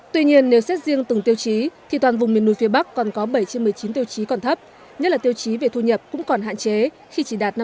tuy nhiên nếu xét riêng từng tiêu chí thì toàn vùng miền núi phía bắc còn có bảy trên một mươi chín tiêu chí còn thấp nhất là tiêu chí về thu nhập cũng còn hạn chế khi chỉ đạt năm mươi